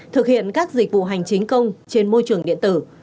thực hiện các dịch vụ hành chính công trên môi trường điện tử